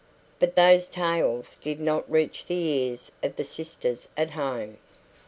But those tales did not reach the ears of the sisters at home.